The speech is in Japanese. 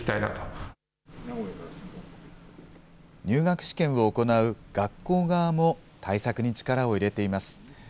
入学試験を行う学校側も、対策に力を入れています。